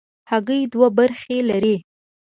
هګۍ دوه برخې لري.